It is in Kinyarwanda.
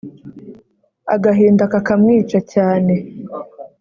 agahinda kakamwica cyane,